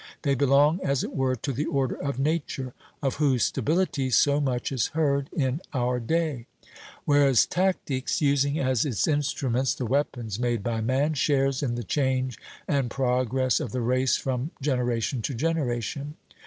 They belong, as it were, to the Order of Nature, of whose stability so much is heard in our day; whereas tactics, using as its instruments the weapons made by man, shares in the change and progress of the race from generation to generation.